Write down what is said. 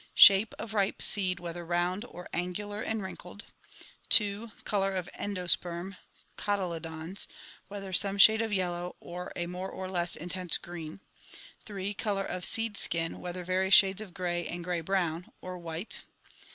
Shape of ripe seed, whether round; or angular and wrinkled. " 2. Color of * endosperm' (cotyledons), whether some shade of yellow; or a more or less intense green. " 3. Color of seed skin, whether various shades of gray and gray brown; or white.